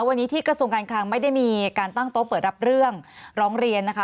วันนี้ที่กระทรวงการคลังไม่ได้มีการตั้งโต๊ะเปิดรับเรื่องร้องเรียนนะคะ